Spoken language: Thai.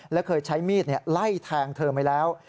และเคยใช้มีดไล่แทงเธอไปแล้ว